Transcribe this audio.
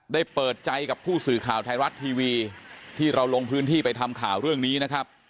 เปิดใจกับผู้สื่อข่าวไทยรัฐทีวีที่เราลงพื้นที่ไปทำข่าวเรื่องนี้นะครับ